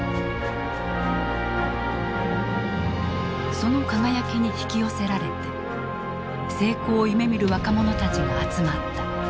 その輝きに引き寄せられて成功を夢みる若者たちが集まった。